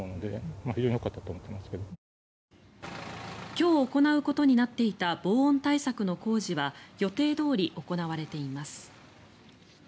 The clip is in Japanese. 今日行うことになっていた防音対策の工事は予定どおり行われています。